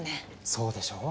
そうでしょう？